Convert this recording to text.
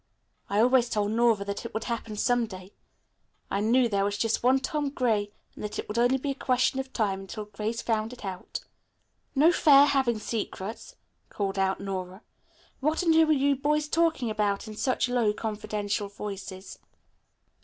I always told Nora that it would happen some day. I knew there was just one Tom Gray and that it would only be a question of time until Grace found it out." "No fair having secrets," called out Nora. "What and who are you boys talking about in such low, confidential voices?"